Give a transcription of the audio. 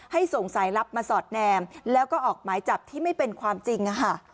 ส่งสายลับมาสอดแนมแล้วก็ออกหมายจับที่ไม่เป็นความจริง